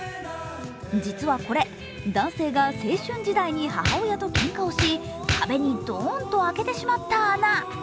実はこれ、男性が青春時代に母親とけんかをし壁にドーンと開けてしまった穴。